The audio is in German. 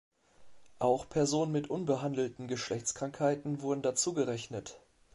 Auch Personen mit unbehandelten Geschlechtskrankheiten wurden dazugerechnet.